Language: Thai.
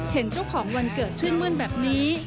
เห็นเจ้าของวันเกิดชื่นมื้นแบบนี้